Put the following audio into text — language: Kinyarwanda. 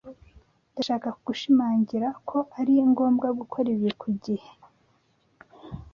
Ndashaka gushimangira ko ari ngombwa gukora ibi ku gihe.